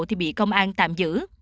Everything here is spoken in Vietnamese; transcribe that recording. thì bị công an tạm giữ